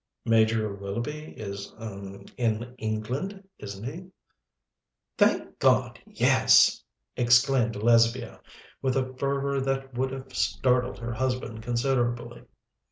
"Major Willoughby is er in England, isn't he?" "Thank God, yes!" exclaimed Lesbia, with a fervour that would have startled her husband considerably.